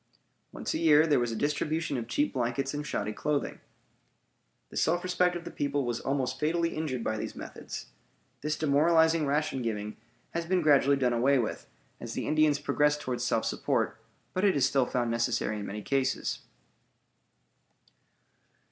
Once a year there was a distribution of cheap blankets and shoddy clothing. The self respect of the people was almost fatally injured by these methods. This demoralizing ration giving has been gradually done away with as the Indians progressed toward self support, but is still found necessary in many cases.